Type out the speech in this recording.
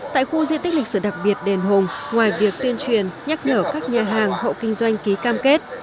tại khu di tích lịch sử đặc biệt đền hùng ngoài việc tuyên truyền nhắc nhở các nhà hàng hộ kinh doanh ký cam kết